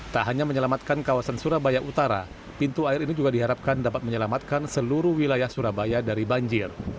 tak hanya menyelamatkan kawasan surabaya utara pintu air ini juga diharapkan dapat menyelamatkan seluruh wilayah surabaya dari banjir